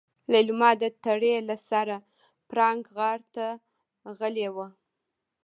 ليلما د تړې له سره پړانګ غار ته غلې وه.